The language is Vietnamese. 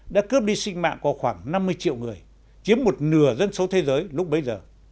đã cướp đi sinh mạng của khoảng năm mươi triệu người chiếm một nửa dân số thế giới lúc bấy giờ